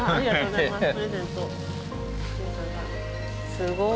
すごい。